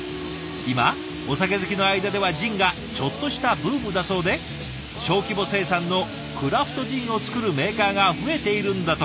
今お酒好きの間ではジンがちょっとしたブームだそうで小規模生産のクラフトジンを作るメーカーが増えているんだとか。